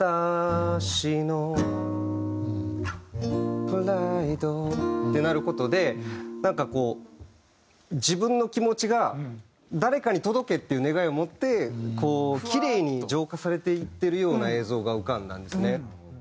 「私のプライド」ってなる事でなんかこう自分の気持ちが誰かに届けっていう願いを持ってこうキレイに浄化されていってるような映像が浮かんだんですね。